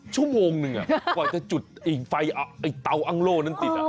ชั่วโมงหนึ่งไปแล้วจุดไฟเตาอังโลนั้นติด